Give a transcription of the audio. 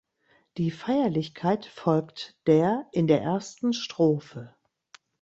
Die Feierlichkeit folgt der in der ersten Strophe.